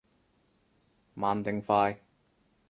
慢定快？